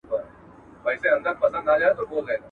آیا انګرېزان په دې اړه پوهېدل؟